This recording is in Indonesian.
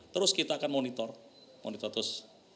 terus kita akan monitor monitor terus